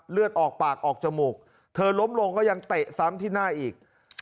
เลือดออกปากออกจมูกเธอล้มลงก็ยังเตะซ้ำที่หน้าอีก